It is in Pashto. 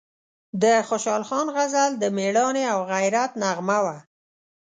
د خوشحال خان غزل د میړانې او غیرت نغمه وه،